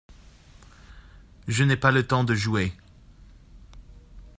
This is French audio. Je n’ai pas le temps de jouer.